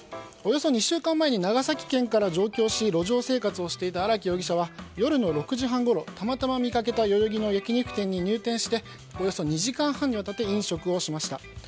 およそ２週間前に長崎県から上京し路上生活をしていた荒木容疑者は夜の６時半ごろたまたま見かけた代々木の焼き肉店に入店しおよそ２時間半にわたって飲食をしました。